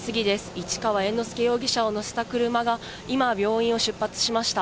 市川猿之助容疑者を乗せた車が、今、病院を出発しました。